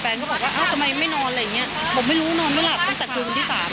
ก็บอกว่าเอ้าทำไมไม่นอนอะไรอย่างนี้บอกไม่รู้นอนไม่หลับตั้งแต่คืนวันที่๓